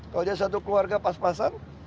kalau dia satu keluarga pas pasan